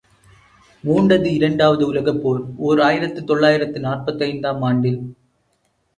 மூண்டது இரண்டாவது உலகப் போர் ஓர் ஆயிரத்து தொள்ளாயிரத்து நாற்பத்தைந்து ஆம் ஆண்டில்!